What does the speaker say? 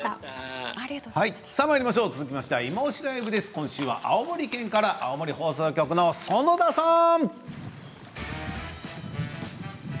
続きましては「いまオシ！ＬＩＶＥ」です。今週は青森県から青森放送局の園田さん。